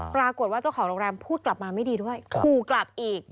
ปรากฏว่าเจ้าของโรงแรมพูดกลับมาไม่ดีด้วยขู่กลับอีก